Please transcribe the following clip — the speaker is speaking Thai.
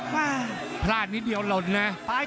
นี่ยังไงเคิ่นบนเลย